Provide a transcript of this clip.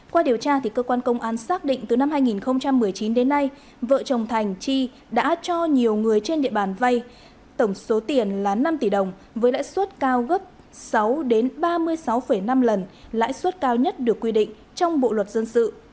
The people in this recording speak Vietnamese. qua điều tra cơ quan công an xác định từ năm hai nghìn một mươi chín đến nay vợ chồng thành chi đã cho nhiều người trên địa bàn vay tổng số tiền là năm tỷ đồng với lãi suất cao gấp sáu ba mươi sáu năm lần lãi suất cao nhất được quy định trong bộ luật dân sự